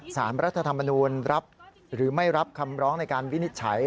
สารรัฐธรรมนูลรับหรือไม่รับคำร้องในการวินิจฉัย